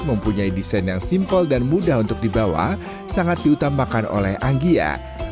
mempunyai desain yang simpel dan mudah untuk dibawa sangat diutamakan oleh anggia